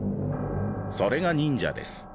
それが忍者です